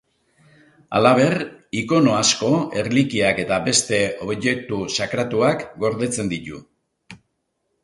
Halaber, ikono asko, erlikiak eta beste objektu sakratuak gordetzen ditu.